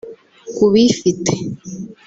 Ku bifite